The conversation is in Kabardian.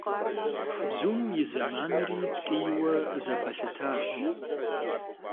Бзум и зэманри ткӀийуэ зэпэлъытащ.